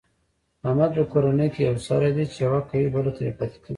احمد په کورنۍ کې یو سری دی، چې یوه کوي بله ترې پاتې کېږي.